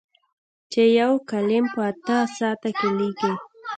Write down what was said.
چې یو کالم په اته ساعته کې لیکي.